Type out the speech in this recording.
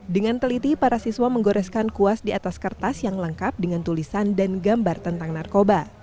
dengan teliti para siswa menggoreskan kuas di atas kertas yang lengkap dengan tulisan dan gambar tentang narkoba